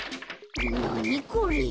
なにこれ。